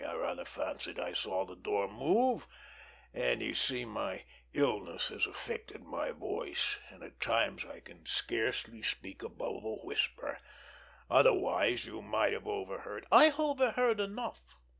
I rather fancied I saw the door move, and you see, my illness has affected my voice, and at times I can scarcely speak above a whisper, otherwise you might have overheard——" "I overheard enough!"